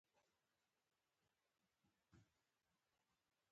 ونې ویل چې زه لویه او قوي یم.